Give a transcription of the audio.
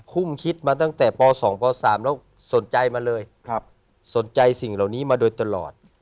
ุ่มคิดมาตั้งแต่ป๒ป๓แล้วสนใจมาเลยสนใจสิ่งเหล่านี้มาโดยตลอด